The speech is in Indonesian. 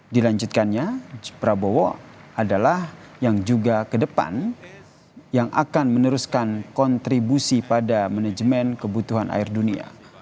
dilanjutkannya prabowo adalah yang juga ke depan yang akan meneruskan kontribusi pada manajemen kebutuhan air dunia